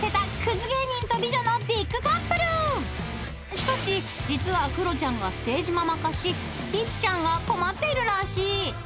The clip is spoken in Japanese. ［しかし実はクロちゃんがステージママ化しリチちゃんが困っているらしい］